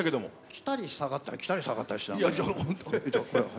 来たり下がったり、来たり下がったりしてたの。